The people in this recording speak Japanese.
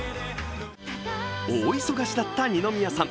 大忙しだった二宮さん